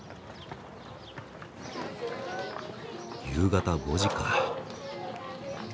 夕方５時か。